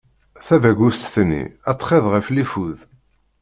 Tabagust-nni, ad txiḍ ɣef lifud.